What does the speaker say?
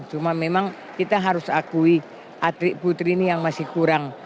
cuma memang kita harus akui atlet putri ini yang masih kurang